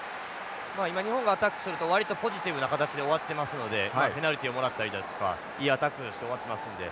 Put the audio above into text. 今日本がアタックすると割とポジティブな形で終わっていますのでペナルティをもらったりだとかいいアタックをして終わっていますので。